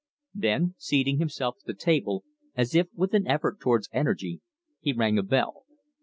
Then, seating himself at the table, as if with an effort towards energy, he rang a bell.